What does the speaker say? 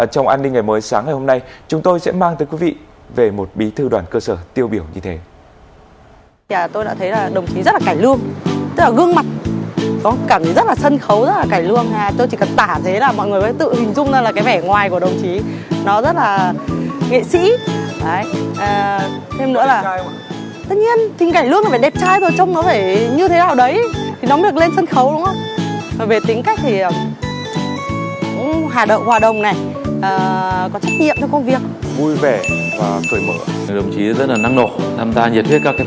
trong an ninh ngày mới sáng ngày hôm nay chúng tôi sẽ mang tới quý vị về một bí thư đoàn cơ sở tiêu biểu như thế